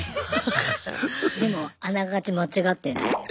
でもあながち間違ってないです話。